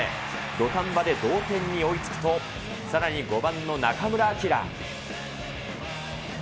土壇場で同点に追いつくと、さらに５番の中村晃。